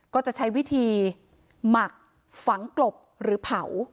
ก็จะใช้วิธีหมักฝังกลบหรือเผา